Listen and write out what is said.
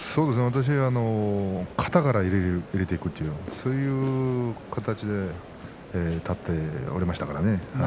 私は肩から入れていくというそういう形で立っておりましたからね。